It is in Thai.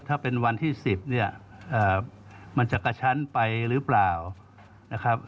ถ้าเป็นวันที่๑๐เนี่ยมันจะกระชั้นไปหรือเปล่านะครับ